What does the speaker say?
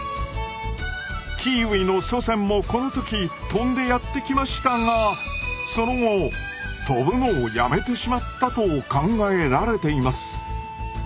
キーウィの祖先もこの時飛んでやって来ましたがその後飛ぶのをやめてしまったと考えられています。